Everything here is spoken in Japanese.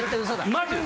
マジで。